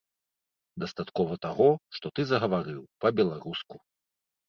Дастаткова таго, што ты загаварыў па-беларуску.